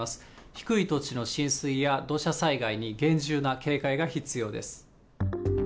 低い土地の浸水や土砂災害に厳重な警戒が必要です。